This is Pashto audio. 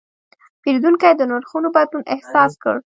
پیرودونکی د نرخونو بدلون احساس کړ.